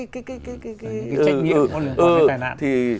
trách nhiệm của người có gây tai nạn